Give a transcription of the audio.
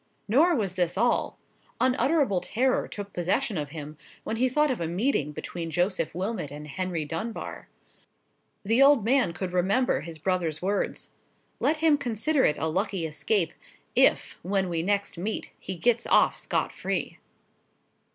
Nor was this all—unutterable terror took possession of him when he thought of a meeting between Joseph Wilmot and Henry Dunbar. The old man could remember his brother's words: "Let him consider it a lucky escape, if, when we next meet, he gets off scot free!"